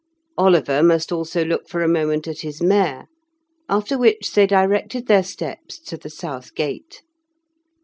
Oliver must also look for a moment at his mare, after which they directed their steps to the South Gate.